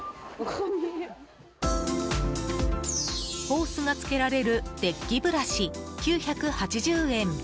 ホースが付けられるデッキブラシ、９８０円。